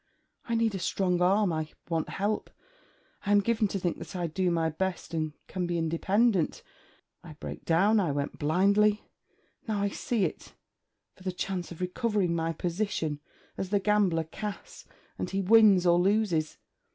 I need a strong arm, I want help. I am given to think that I do my best and can be independent; I break down. I went blindly now I see it for the chance of recovering my position, as the gambler casts; and he wins or loses.